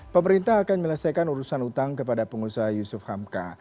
pemerintah akan menyelesaikan urusan utang kepada pengusaha yusuf hamka